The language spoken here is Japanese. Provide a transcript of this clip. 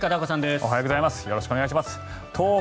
おはようございます。